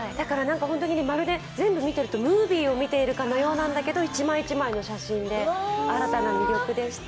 まるで全部見ているとムービーを見ているかのようなんだけど、１枚１枚の写真で、新たな魅力でした。